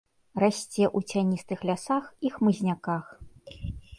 Расце ў цяністых лясах і хмызняках.